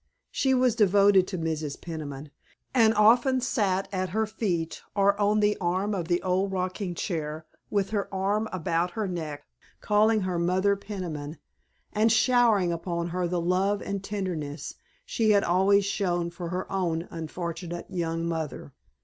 She was devoted to Mrs. Peniman, and often sat at her feet or on the arm of the old rocking chair with her arm about her neck, calling her "Mother Peniman," and showering upon her the love and tenderness she had always shown for her own unfortunate young mother.